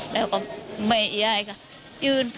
แล้วก็เบยพะย่ายก็ยืนพอ